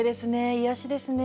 癒やしですね。